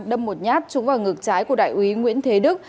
đâm một nhát trúng vào ngực trái của đại úy nguyễn thế đức